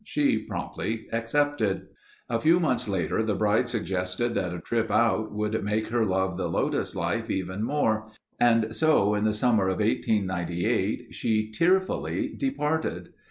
She promptly accepted. A few months later, the bride suggested that a trip out would make her love the lotus life even more and so in the summer of 1898 she tearfully departed.